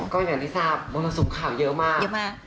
ก็อย่างที่ทราบบริษัทสูงข่าวเยอะมาก